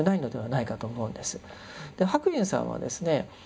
白隠さんはですね